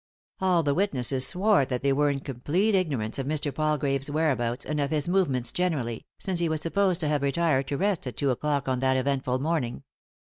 All the witnesses swore that they were in complete ignorance of Mr. Palgrave's whereabouts and of bis movements generally, since he was supposed to have retired to rest at two o'clock on that eventful morning.